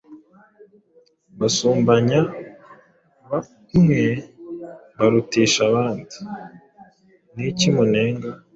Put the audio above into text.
mbasumbanya bamwe mbarutisha abandi. Ni iki munenga?